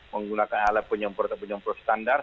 menggunakan alat penyemprotan penyemprot standar